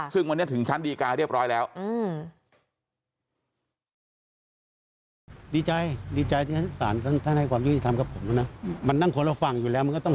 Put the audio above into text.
ซึ่งวันนี้ถึงชั้นดีการเรียบร้อยแล้ว